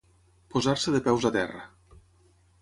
Posar-se de peus a terra.